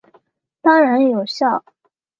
当然有效！